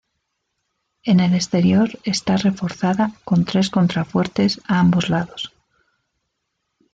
En el exterior está reforzada con tres contrafuertes a ambos lados.